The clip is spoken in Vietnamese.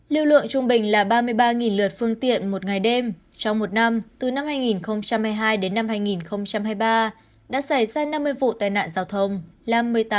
lưu lượng trung bình là ba mươi ba lượt phương tiện một ngày đêm trong một năm từ năm hai nghìn hai mươi hai đến năm hai nghìn hai mươi ba đã xảy ra năm mươi vụ tai nạn giao thông